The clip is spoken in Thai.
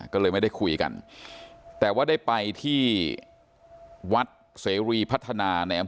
ก็เลยไม่ได้คุยกัน